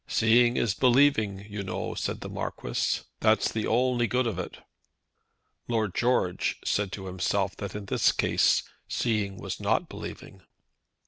"Seeing is believing, you know," said the Marquis; "that's the only good of it." Lord George said to himself that in this case seeing was not believing.